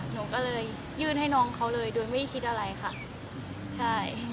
หนูก็เลยยื่นให้น้องเขาเลยโดยไม่ได้คิดอะไรค่ะใช่